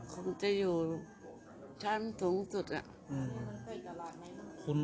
คงจะอยู่ชั้นสูงสุด